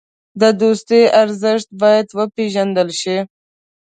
د دوستۍ ارزښت باید وپېژندل شي.